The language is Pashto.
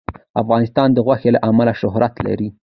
افغانستان د غوښې له امله شهرت لري.